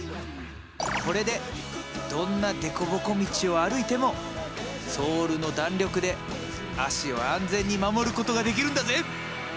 これでどんな凸凹道を歩いてもソールの弾力で足を安全に守ることができるんだぜ！